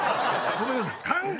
ごめんなさい。